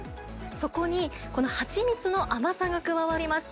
そこにこの蜂蜜の甘さが加わります。